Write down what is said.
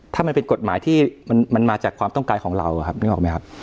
ถ้ามันเป็นกฎหมายที่มันมาจากความต้องการของเรานึกออกไหมครับ